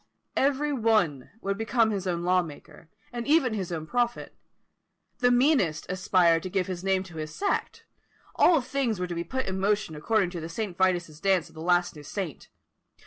Every one would become his own law maker, and even his own prophet; the meanest aspired to give his name to his sect. All things were to be put in motion according to the St. Vitus's dance of the last new saint.